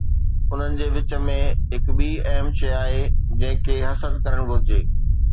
انهن جي وچ ۾ هڪ ٻي اهم شيء آهي جنهن کي حسد ڪرڻ گهرجي.